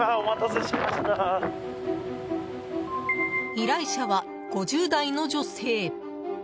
依頼者は５０代の女性。